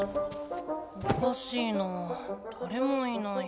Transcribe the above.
おかしいなぁだれもいない。